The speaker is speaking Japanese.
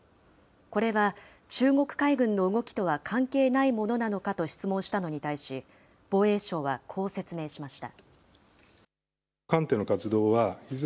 これは中国海軍の動きとは関係ないものなのかと質問したのに対し、防衛省はこう説明しました。